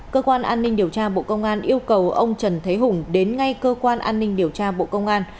cơ quan an ninh điều tra bộ công an yêu cầu ông trần thế hùng đến ngay cơ quan an ninh điều tra bộ công an